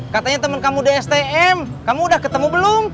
katanya teman kamu di stm kamu udah ketemu belum